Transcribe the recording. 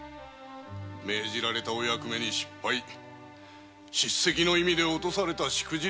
命じられたお役目に失敗叱責の意味で落とされたしくじり小普請